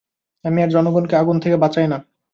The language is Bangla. আমি আর জনগণকে আগুন থেকে বাঁচাই না।